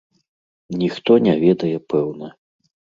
Ніхто не ведае пэўна.